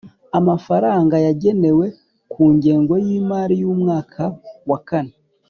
Amafaranga yagenewe ku ngengo y imari y umwaka wa kane